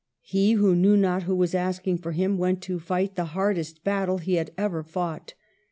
He, who knew not who was asking for him, went to fight the hardest battle he had ever fought.